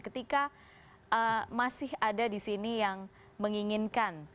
ketika masih ada di sini yang menginginkan